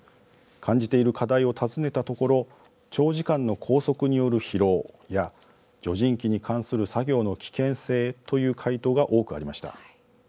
感じている課題を尋ねたところ長時間の拘束による疲労や除塵機に関する作業の危険性という回答が多くありました。